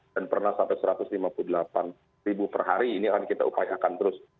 pernah sampai satu ratus lima puluh delapan ribu per hari ini akan kita upayakan terus